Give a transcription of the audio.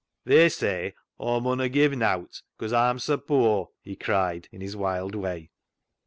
" They say Aw munna give nowt 'cause Aw'm sa poor," he cried, in his wild way.